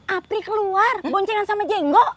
apri keluar boncengan sama jenggo